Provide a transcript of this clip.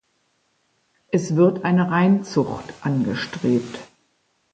Es wird eine Reinzucht angestrebt.